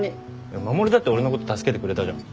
守だって俺のこと助けてくれたじゃん。